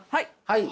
はい。